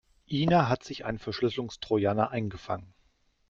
Ina hat sich einen Verschlüsselungstrojaner eingefangen.